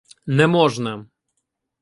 Не можна.